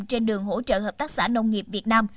trên đường hỗ trợ hợp tác xã nông nghiệp việt nam